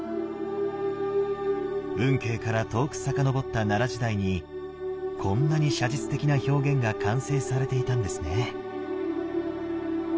運慶から遠く遡った奈良時代にこんなに写実的な表現が完成されていたんですね。